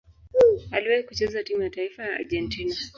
Aliwahi kucheza timu ya taifa ya Argentina.